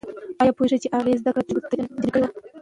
ايا پوهېږئ چې هغه زده کړې جبري کړې وې؟